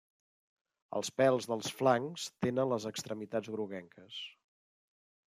Els pèls dels flancs tenen les extremitats groguenques.